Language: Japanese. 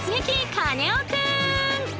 カネオくん！